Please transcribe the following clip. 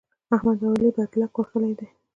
احمد او علي بدلک وهلی دی.